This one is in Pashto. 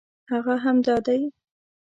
هغه همدا دی.